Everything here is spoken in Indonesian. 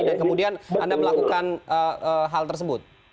dan kemudian anda melakukan hal tersebut